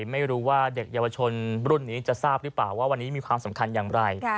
ไม่รู้ว่าเด็กเยาวชนรุ่นนี้จะทราบหรือเปล่าว่าวันนี้มีความสำคัญอย่างไร